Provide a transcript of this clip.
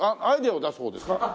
アイデアを出すほうですか？